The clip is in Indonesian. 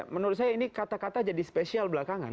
menurut saya ini kata kata jadi spesial belakangan